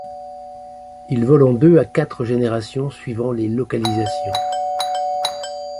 Il vole en deux à quatre générations suivant les localisations.